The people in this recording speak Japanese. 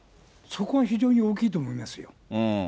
そこは非常に大きいと思いますよ。